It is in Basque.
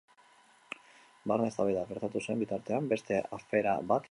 Barne eztabaida gertatu zen bitartean beste afera bat izan zen.